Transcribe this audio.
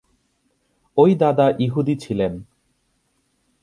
ঐ দাদা ইহুদি ছিলেন।